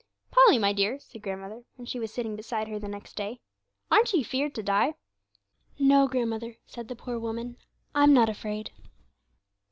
'Polly, my dear,' said grandmother, when she was sitting beside her the next day, 'aren't ye feared to die!' 'No, grandmother,' said the poor woman, 'I'm not afraid.'